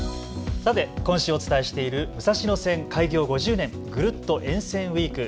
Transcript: さて今週お伝えしている武蔵野線開業５０年ぐるっと沿線ウイーク。